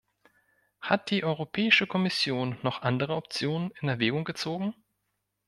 Hat die Europäische Kommission noch andere Optionen in Erwägung gezogen?